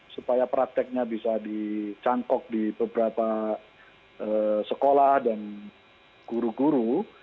supaya prakteknya bisa dicangkok di beberapa sekolah dan guru guru